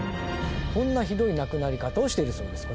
こんなひどい亡くなり方をしているそうです。